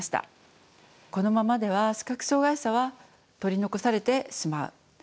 このままでは視覚障害者は取り残されてしまう。